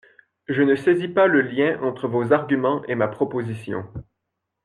Je ne saisis pas le lien entre vos arguments et ma proposition.